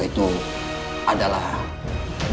dari orang tua kandungnya sendiri